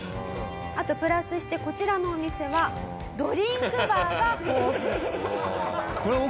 あとプラスしてこちらのお店はドリンクバーが豊富。